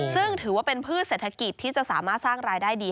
ซึ่งถือว่าเป็นพืชเศรษฐกิจที่จะสามารถสร้างรายได้ดี